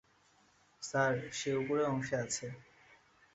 Sir, সে উপরের অংশে আছে।